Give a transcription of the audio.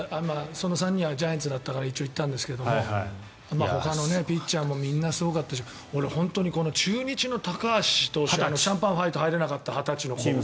その３人はジャイアンツだったから一応、言ったんですがほかのピッチャーもみんなすごかったし俺、本当に中日の高橋投手シャンパンファイトに入れなかった２０歳の子。